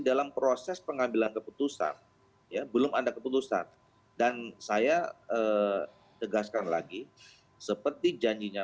dalam proses pengambilan keputusan ya belum ada keputusan dan saya tegaskan lagi seperti janjinya